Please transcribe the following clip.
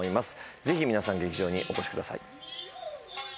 ぜひ、皆さん劇場にお越しください。